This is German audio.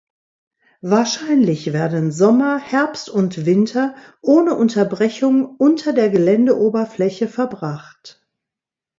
Wahrscheinlich werden Sommer, Herbst und Winter ohne Unterbrechung unter der Geländeoberfläche verbracht.